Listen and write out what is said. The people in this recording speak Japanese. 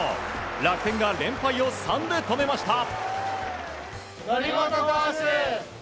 楽天が連敗を３で止めました。